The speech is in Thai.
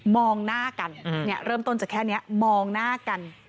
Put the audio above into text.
มองหน้ากันเริ่มต้นจะแค่นี้มองหน้ากัน